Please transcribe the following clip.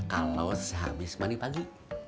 kalau sehabis mandi pagi